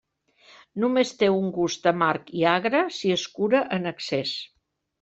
Només té un gust amarg i agre si es cura en excés.